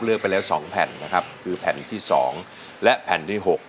เลือกไปแล้ว๒แผ่นนะครับคือแผ่นที่๒และแผ่นที่๖